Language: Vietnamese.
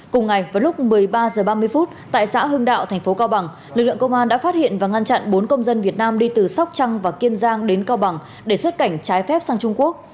cùng ngày vào lúc một mươi ba h ba mươi tại xã hưng đạo thành phố cao bằng lực lượng công an đã phát hiện và ngăn chặn bốn công dân việt nam đi từ sóc trăng và kiên giang đến cao bằng để xuất cảnh trái phép sang trung quốc